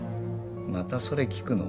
またそれ聞くの？